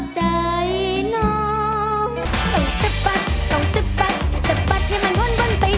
ทีมที่ชนะคือทีม